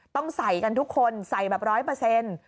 ต้องใส่กันทุกคนใส่แบบ๑๐๐